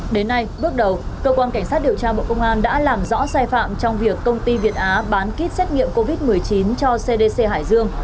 đến nay bước đầu cơ quan cảnh sát điều tra bộ công an đã làm rõ sai phạm trong việc công ty việt á bán kit xét nghiệm covid một mươi chín cho cdc hải dương